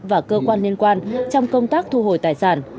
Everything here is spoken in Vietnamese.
và cơ quan liên quan trong công tác thu hồi tài sản